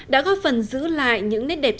đã góp phần giữ lại những nét đẹp